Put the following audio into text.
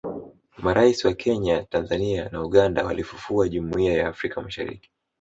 Marais wa Kenya Tanzania na Uganda waliifufua Jumuia ya Afrika Mashariki